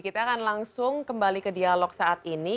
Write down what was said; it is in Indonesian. kita akan langsung kembali ke dialog saat ini